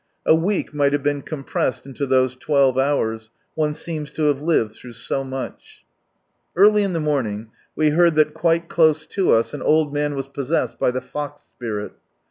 A week might have been compressed into those twelve hours, one seems to have lived through so much. Early in the morning we heard that quite close to us an old man was possessed by " the fox spirit."